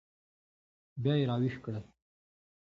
بیا یې راویښ کړل.